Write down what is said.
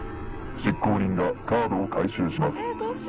執行人がカードを回収します。